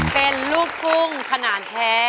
เป็นลูกทุ่งขนาดแท้